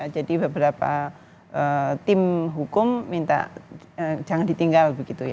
jadi beberapa tim hukum minta jangan ditinggal